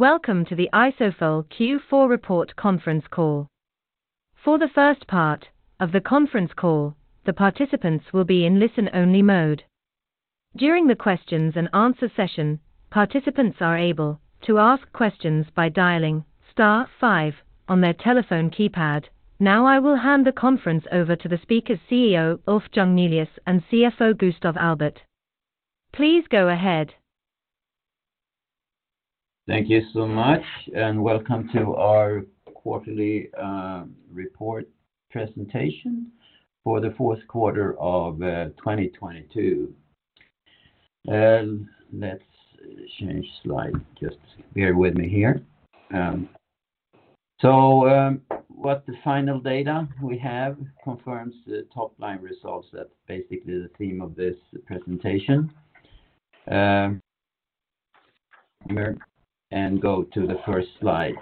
Welcome to the Isofol Q4 Report Conference Call. For the first part of the conference call, the participants will be in listen-only mode. During the questions and answer session, participants are able to ask questions by dialing star five on their telephone keypad. Now I will hand the conference over to the speakers CEO Ulf Jungnelius and CFO Gustaf Albèrt. Please go ahead. Thank you so much and welcome to our Quarterly Report Presentation for the Fourth Quarter of 2022. Let's change slide. Just bear with me here. What the final data we have confirms the top-line results. That's basically the theme of this presentation. Go to the first slide.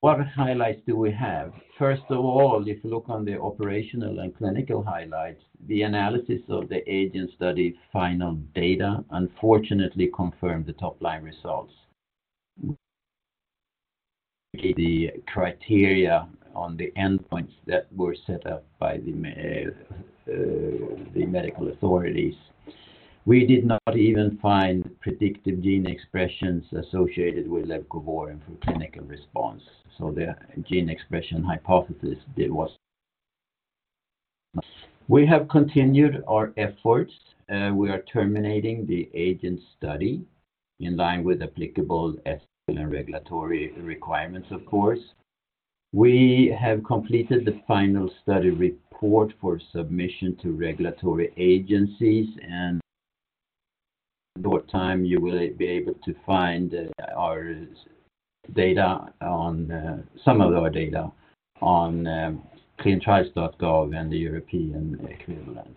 What highlights do we have? First of all, if you look on the operational and clinical highlights, the analysis of the AGENT study final data unfortunately confirmed the top-line results. The criteria on the endpoints that were set up by the medical authorities, we did not even find predictive gene expressions associated with leucovorin for clinical response. The gene expression hypothesis. We have continued our efforts. We are terminating the AGENT study in line with applicable ethical and regulatory requirements of course. We have completed the final study report for submission to regulatory agencies. In short time, you will be able to find Some of our data on ClinicalTrials.gov and the European equivalent.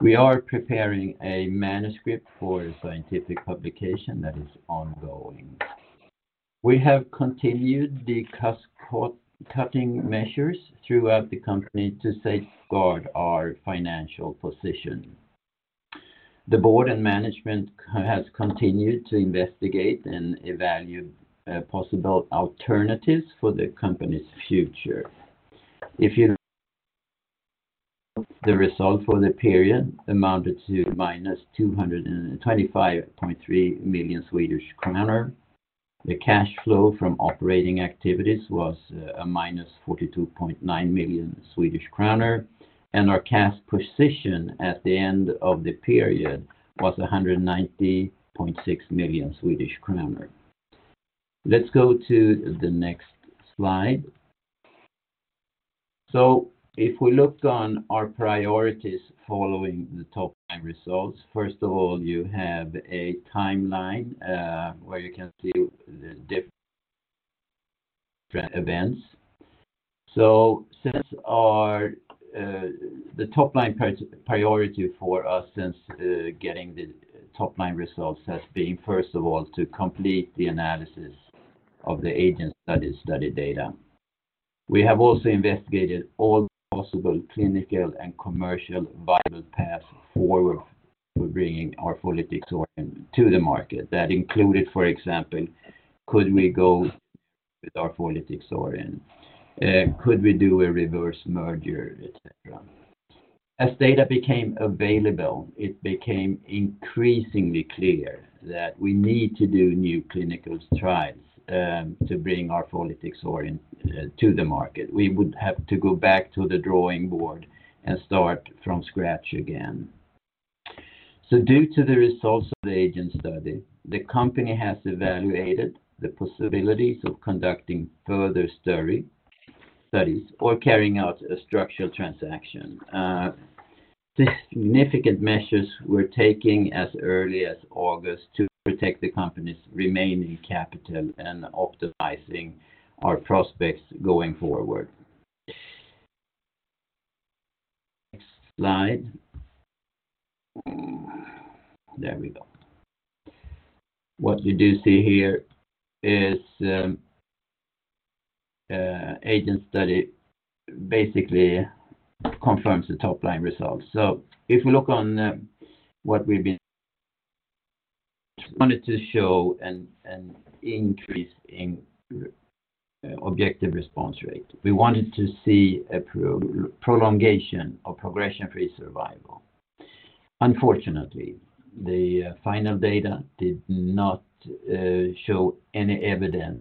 We are preparing a manuscript for a scientific publication that is ongoing. We have continued the cost cut-cutting measures throughout the company to safeguard our financial position. The board and management has continued to investigate and evaluate possible alternatives for the company's future. The result for the period amounted to minus 225.3 million Swedish kronor. The cash flow from operating activities was minus 42.9 million Swedish kronor, and our cash position at the end of the period was 190.6 million Swedish kronor. Let's go to the next slide. If we looked on our priorities following the top-line results, first of all, you have a timeline where you can see the different events. Since our, the top-line priority for us since getting the top-line results has been, first of all, to complete the analysis of the AGENT study data. We have also investigated all possible clinical and commercial viable paths forward for bringing arfolitixorin to the market. That included, for example, could we go with arfolitixorin? Could we do a reverse merger, et cetera. As data became available, it became increasingly clear that we need to do new clinical trials to bring arfolitixorin to the market. We would have to go back to the drawing board and start from scratch again. Due to the results of the AGENT study, the company has evaluated the possibilities of conducting further studies or carrying out a structural transaction. These significant measures we're taking as early as August to protect the company's remaining capital and optimizing our prospects going forward. Next slide. There we go. What you do see here is AGENT study basically confirms the top-line results. If we look on what we've been wanted to show an increase in objective response rate. We wanted to see a prolongation of progression-free survival. Unfortunately, the final data did not show any evidence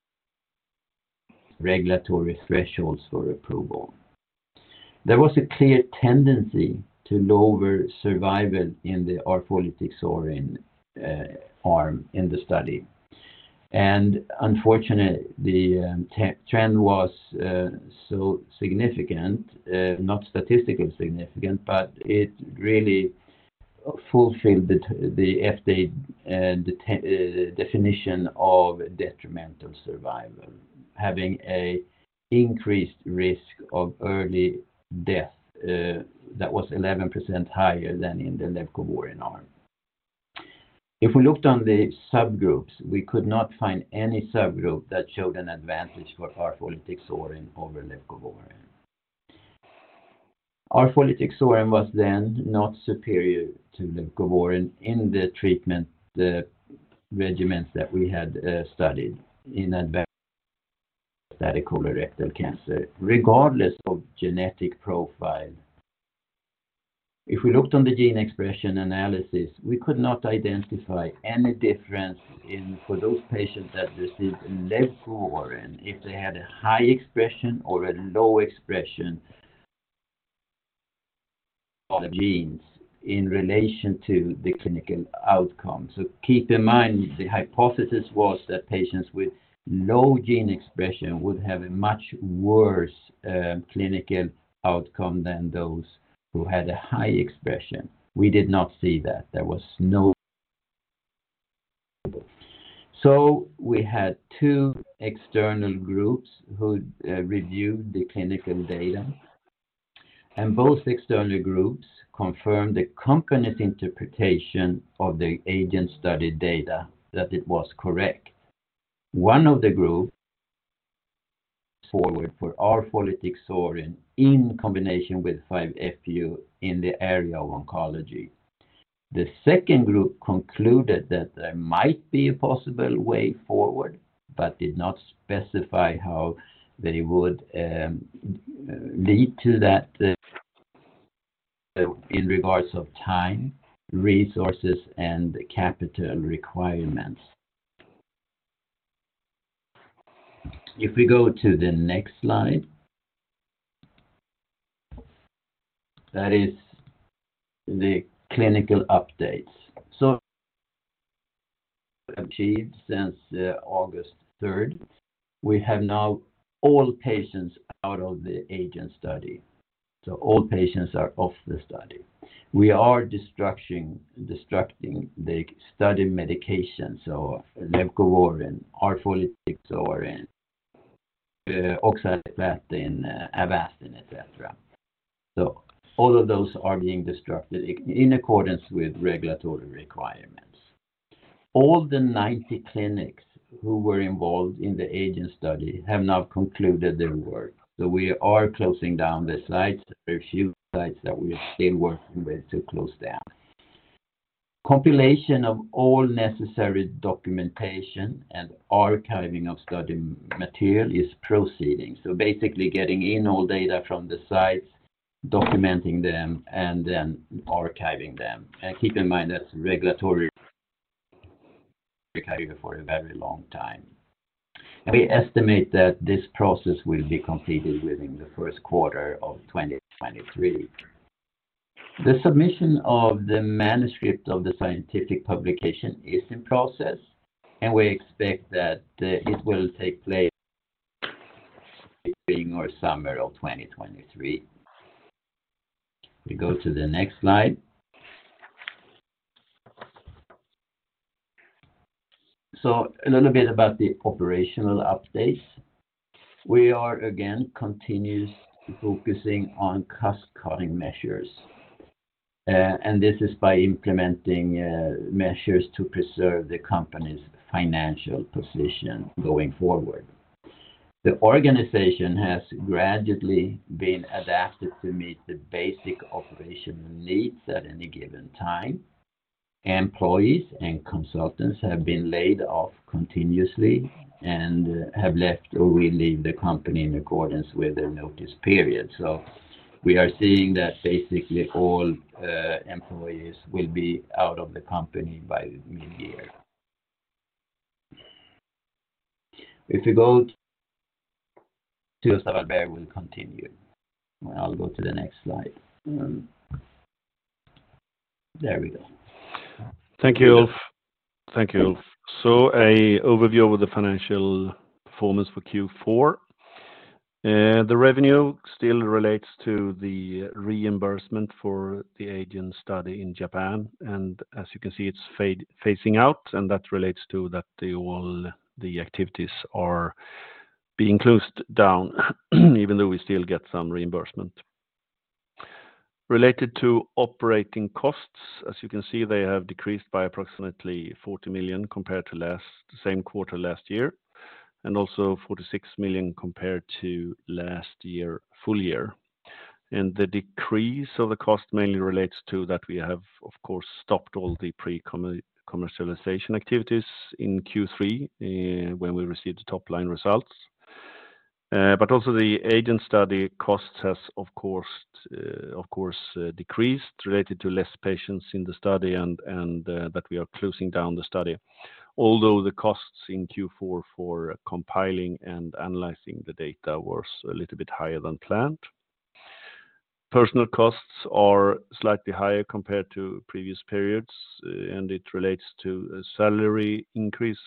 regulatory thresholds for approval. There was a clear tendency to lower survival in the arfolitixorin arm in the study. Unfortunately, the trend was so significant, not statistically significant, but it really fulfilled the FDA definition of detrimental survival, having a increased risk of early death, that was 11% higher than in the leucovorin arm. If we looked on the subgroups, we could not find any subgroup that showed an advantage for arfolitixorin over leucovorin. arfolitixorin was then not superior to the leucovorin in the treatment, the regimens that we had studied in advanced metastatic colorectal cancer, regardless of genetic profile. If we looked on the gene expression analysis, we could not identify any difference in, for those patients that received leucovorin, if they had a high expression or a low expression of the genes in relation to the clinical outcome. Keep in mind, the hypothesis was that patients with low gene expression would have a much worse clinical outcome than those who had a high expression. We did not see that. We had two external groups who reviewed the clinical data, and both external groups confirmed the company's interpretation of the AGENT study data that it was correct. One of the group forward for arfolitixorin in combination with 5-FU in the area of oncology. The second group concluded that there might be a possible way forward, but did not specify how they would lead to that in regards of time, resources, and capital requirements. If we go to the next slide. That is the clinical updates. Achieved since August third. We have now all patients out of the AGENT study. All patients are off the study. We are destructing the study medications, leucovorin, arfolitixorin, oxaliplatin, Avastin, et cetera. All of those are being destructed in accordance with regulatory requirements. All the 90 clinics who were involved in the AGENT study have now concluded their work. We are closing down the sites. There are a few sites that we are still working with to close down. Compilation of all necessary documentation and archiving of study material is proceeding. Basically getting in all data from the sites, documenting them, and then archiving them. Keep in mind that's regulatory for a very long time. We estimate that this process will be completed within the first quarter of 2023. The submission of the manuscript of the scientific publication is in process, and we expect that it will take place during our summer of 2023. We go to the next slide. A little bit about the operational updates. We are again continuously focusing on cost-cutting measures, and this is by implementing measures to preserve the company's financial position going forward. The organization has gradually been adapted to meet the basic operational needs at any given time. Employees and consultants have been laid off continuously and have left or will leave the company in accordance with the notice period. We are seeing that basically all employees will be out of the company by mid-year. Stig Sarbe will continue. I'll go to the next slide. There we go. Thank you, Ulf. Thank you, Ulf. A overview of the financial performance for Q4. The revenue still relates to the reimbursement for the AGENT study in Japan. As you can see, it's phasing out, and that relates to that all the activities are being closed down even though we still get some reimbursement. Related to operating costs, as you can see, they have decreased by approximately 40 million compared to last, the same quarter last year, and also 46 million compared to last year, full year. The decrease of the cost mainly relates to that we have, of course, stopped all the pre-commercialization activities in Q3, when we received the top-line results. But also the AGENT study costs has of course decreased related to less patients in the study and that we are closing down the study. The costs in Q4 for compiling and analyzing the data was a little bit higher than planned. Personnel costs are slightly higher compared to previous periods, and it relates to a salary increase,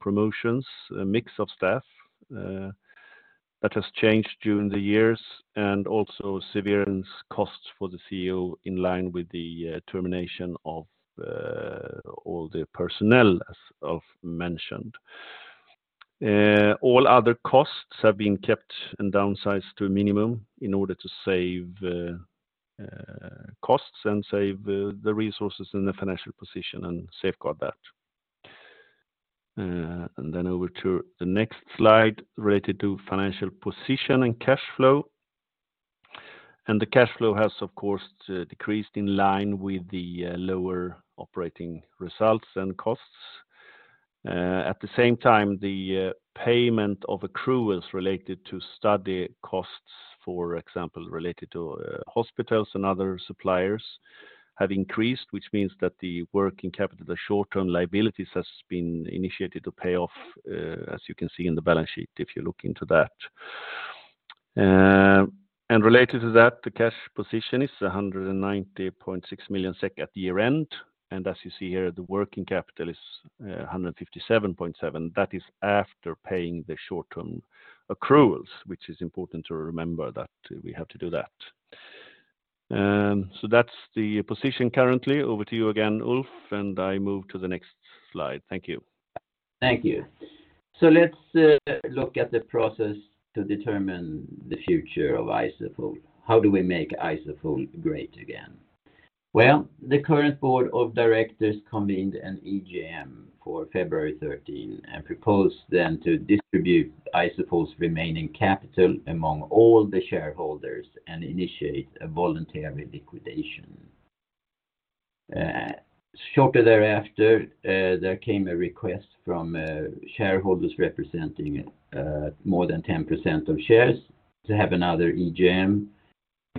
promotions, a mix of staff that has changed during the years, and also severance costs for the CEO in line with the termination of all the personnel, as Ulf mentioned. All other costs have been kept and downsized to a minimum in order to save costs and save the resources in the financial position and safeguard that. Over to the next slide related to financial position and cash flow. The cash flow has, of course, decreased in line with the lower operating results and costs. At the same time, the payment of accruals related to study costs, for example, related to hospitals and other suppliers have increased, which means that the working capital, the short-term liabilities, has been initiated to pay off, as you can see in the balance sheet if you look into that. Related to that, the cash position is 190.6 million SEK at year-end. As you see here, the working capital is 157.7 million. That is after paying the short-term accruals, which is important to remember that we have to do that. That's the position currently. Over to you again, Ulf, and I move to the next slide. Thank you. Thank you. Let's look at the process to determine the future of Isofol. How do we make Isofol great again? The current board of directors convened an EGM for February 13th and proposed then to distribute Isofol's remaining capital among all the shareholders and initiate a voluntary liquidation. Shortly thereafter, there came a request from shareholders representing more than 10% of shares to have another EGM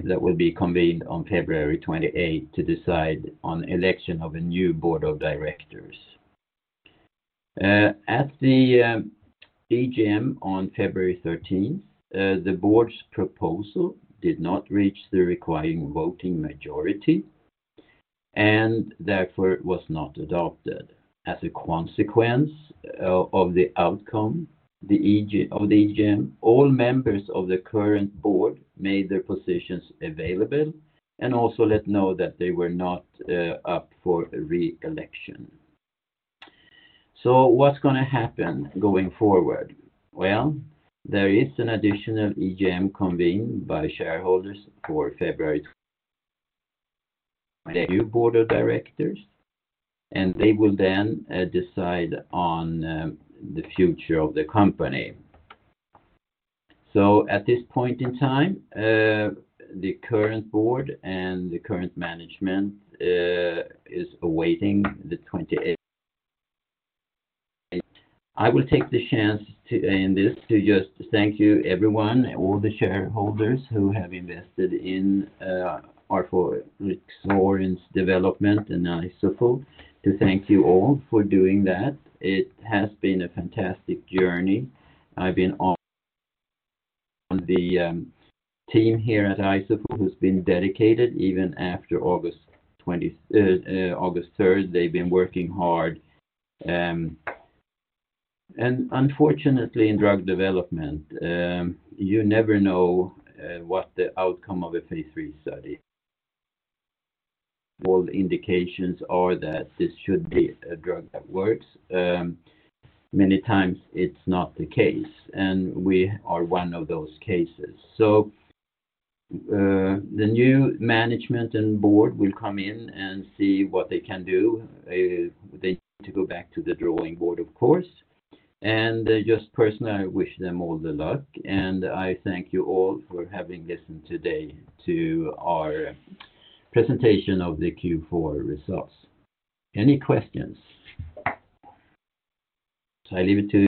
that will be convened on February 28th to decide on election of a new board of directors. At the EGM on February 13th, the board's proposal did not reach the requiring voting majority and therefore was not adopted. As a consequence of the outcome of the EGM, all members of the current board made their positions available and also let know that they were not up for re-election. What's gonna happen going forward? Well, there is an additional EGM convened by shareholders for February new board of directors, and they will then decide on the future of the company. At this point in time, the current board and the current management is awaiting the 28. I will take the chance to end this to just thank you everyone, all the shareholders who have invested in our arfolitixorin's development and Isofol, to thank you all for doing that. It has been a fantastic journey. I've been on the team here at Isofol who's been dedicated even after August 3rd. They've been working hard. Unfortunately, in drug development, you never know what the outcome of a phase III study. All indications are that this should be a drug that works. Many times it's not the case, and we are one of those cases. The new management and board will come in and see what they can do. They need to go back to the drawing board, of course. Just personally, I wish them all the luck, and I thank you all for having listened today to our presentation of the Q4 results. Any questions? I leave it to you.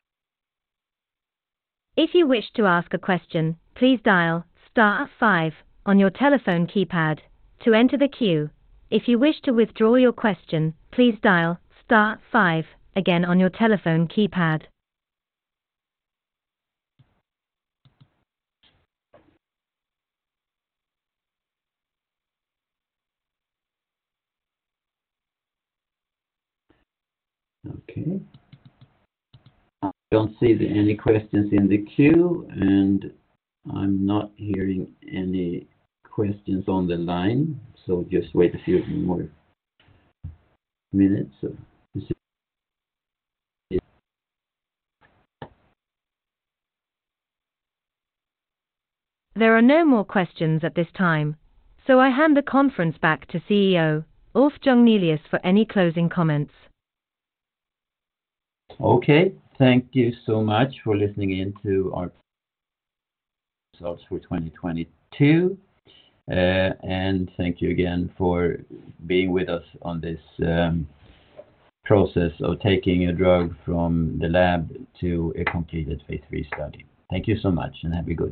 If you wish to ask a question, please dial star five on your telephone keypad to enter the queue. If you wish to withdraw your question, please dial star five again on your telephone keypad. Okay. I don't see any questions in the queue, and I'm not hearing any questions on the line, so just wait a few more minutes. There are no more questions at this time, I hand the conference back to CEO Ulf Jungnelius for any closing comments. Okay. Thank you so much for listening in to our results for 2022. Thank you again for being with us on this process of taking a drug from the lab to a completed Phase III study. Thank you so much, and have a good day.